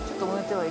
はい。